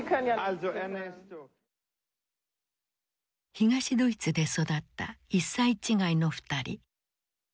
東ドイツで育った１歳違いの２人。